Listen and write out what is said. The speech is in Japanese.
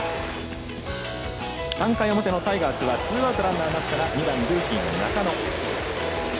３回表のタイガースはツーアウトランナーなしから２番、ルーキーの中野。